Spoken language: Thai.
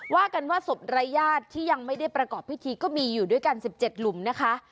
ว่ากันว่าศพรายญาติที่ยังไม่ได้ประกอบพิธีก็มีอยู่ด้วยกัน๑๗หลุมนะคะ